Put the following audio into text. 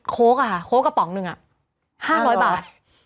โค้กอะค่ะโค้กกระป๋องหนึ่ง๕๐๐บาท